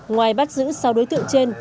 ngoài bắt giữ sáu đối tượng trên